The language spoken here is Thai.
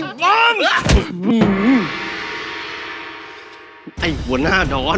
ฉันจะตัดพ่อตัดลูกกับแกเลย